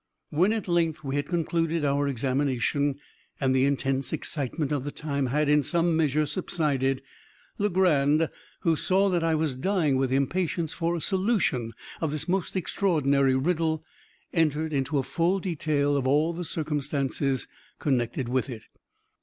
When, at length, we had concluded our examination, and the intense excitement of the time had, in some measure, subsided, Legrand, who saw that I was dying with impatience for a solution of this most extraordinary riddle, entered into a full detail of all the circumstances connected with it.